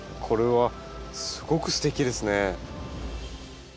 これはすごくすてきですね。